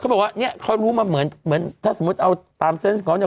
บอกว่าเนี่ยเขารู้มาเหมือนเหมือนถ้าสมมุติเอาตามเซนต์เขาเนี่ย